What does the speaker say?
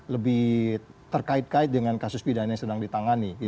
lebih terkait kait dengan kasus pidana yang sedang ditangani